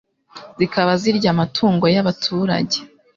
zikaba zirya amatungo y'abaturage